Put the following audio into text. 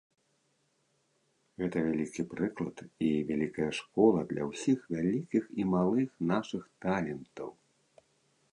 Гэта вялікі прыклад і вялікая школа для ўсіх вялікіх і малых нашых талентаў.